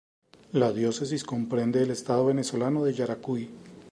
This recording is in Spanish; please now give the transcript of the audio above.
La diócesis comprende el estado venezolano de Yaracuy.